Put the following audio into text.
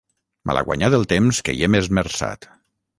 Malaguanyat el temps que hi hem esmerçat.